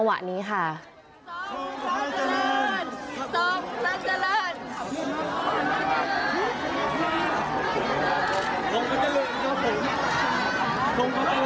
น้องพระเจริญก็ถึง